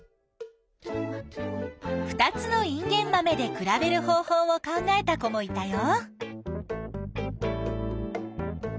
２つのインゲンマメで比べる方法を考えた子もいたよ。